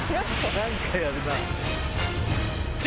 何かやるなぁ。